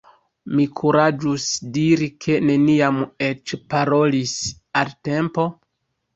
Mi kuraĝus diri ke neniam vi eĉ parolis al Tempo?